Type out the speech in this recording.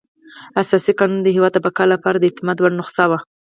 اساسي قانون د هېواد د بقا لپاره د اعتماد وړ نسخه وه.